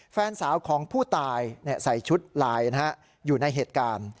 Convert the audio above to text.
แฟนสาวของผู้ตายใส่ชุดลายอยู่ในเหตุการณ์